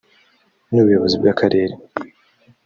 n ubuyobozi bw akarere